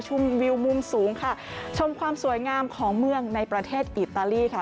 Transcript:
วิวมุมสูงค่ะชมความสวยงามของเมืองในประเทศอิตาลีค่ะ